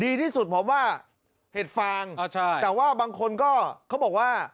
ดีที่สุดผมว่าเห็ดฟางแต่ว่าบางคนก็เขาบอกว่า